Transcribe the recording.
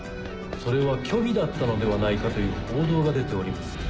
それは虚偽だったのではないかという報道が出ております